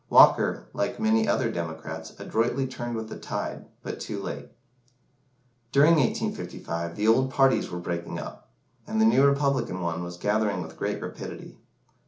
Walker, like many other Democrats, adroitly turned with the tide, but too late. During 1855, the old parties were breaking up, and the new Republican one was gathering with great rapidity.